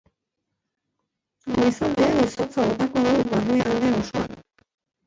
Goizaldean izotza botako du barnealde osoan.